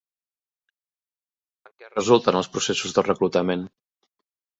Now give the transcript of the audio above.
En què resulten els processos de reclutament?